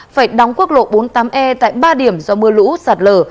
phải đóng quốc lộ bốn mươi tám e tại ba điểm do mưa lũ sạt lở